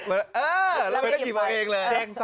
แล้วมันก็หยิบเอาเองเลย